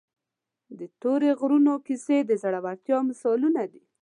د تورې غرونو کیسې د زړورتیا مثالونه دي.